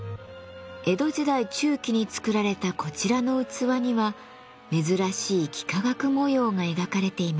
江戸時代中期に作られたこちらの器には珍しい幾何学模様が描かれています。